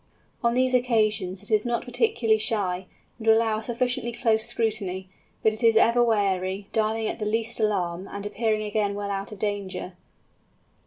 On these occasions it is not particularly shy, and will allow a sufficiently close scrutiny, but it is ever wary, diving at the least alarm, and appearing again well out of danger.